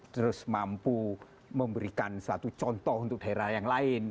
terus mampu memberikan satu contoh untuk daerah yang lain